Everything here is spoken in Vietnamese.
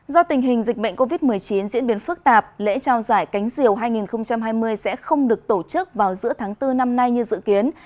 do tình hình dịch bệnh covid một mươi chín diễn biến phức tạp lễ trao giải cánh diều hai nghìn hai mươi sẽ không được tổ chức vào giữa tháng bốn năm nay như dự kiến